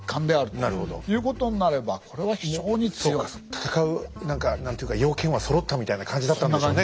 戦う何ていうか要件はそろったみたいな感じだったんでしょうね。